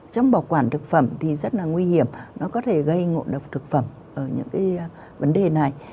trong bảo quản thực phẩm thì rất là nguy hiểm nó có thể gây ngộ độc thực phẩm ở những vấn đề này